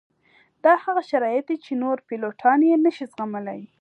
دا هغه شرایط دي چې نور پیلوټان یې نه شي زغملی